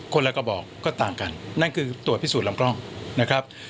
ละกระบอกก็ต่างกันนั่นคือตรวจพิสูจนลำกล้องนะครับ